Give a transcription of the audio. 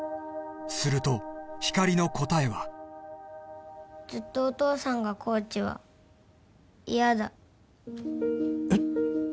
するとひかりの答えはずっとお父さんがコーチは嫌だえっ！？